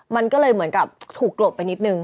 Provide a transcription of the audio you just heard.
มันก็เลยเหมือนกับถูกกลบไปนิดนึง